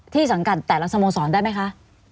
สังกัดแต่ละสโมสรได้ไหมคะ